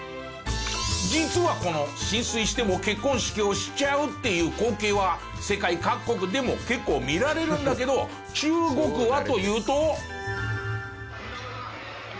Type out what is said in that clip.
実はこの浸水しても結婚式をしちゃうっていう光景は世界各国でも結構見られるんだけど中国はというと。